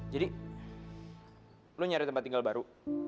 jadi lo nyari tempat tinggal baru